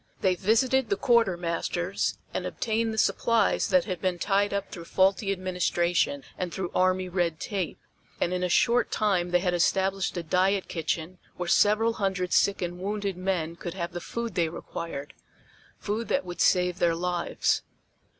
They visited the quartermasters and obtained the supplies that had been tied up through faulty administration and through army red tape, and in a short time they had established a diet kitchen where several hundred sick and wounded men could have the food they required, food that would save their lives.